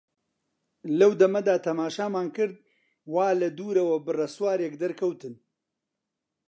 لەو دەمەدا تەماشامان کرد وا لە دوورەوە بڕە سوارێک دەرکەوتن.